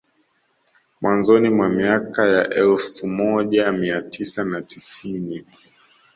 Mwanzoni mwa miaka ya elfu moja mia tisa na tisini